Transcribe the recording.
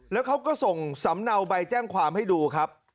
แล้วเขาก็ส่งสำเนาใบแจ้งความให้ดูครับ